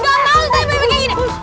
gak mau deh bebeknya gini